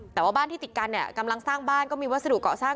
แต่ว่าบ้านที่ติดกันเนี่ยกำลังสร้างบ้านก็มีวัสดุเกาะสร้าง